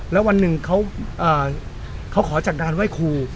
แล้ววันหนึ่งเขาเอ่อเขาขอจัดการไว้ครู